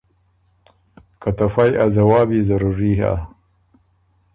که ته فئ ا ځواب يې ضروري هۀ۔